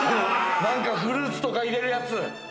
なんかフルーツとか入れるやつ。